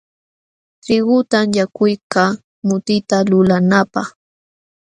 Trigutam yakuykaa mutita lulanaapaq.